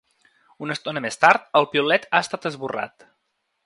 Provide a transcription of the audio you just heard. Una estona més tard, el piulet ha estat esborrat.